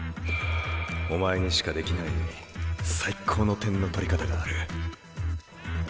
お前にしかできない最高の点の取り方がある。